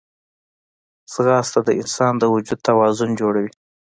ځغاسته د انسان د وجود توازن جوړوي